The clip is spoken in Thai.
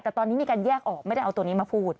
แต่ตอนนี้มีการแยกออกไม่ได้เอาตัวนี้มาพูด